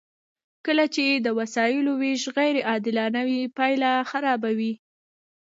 کله چې د وسایلو ویش غیر عادلانه وي پایله خرابه وي.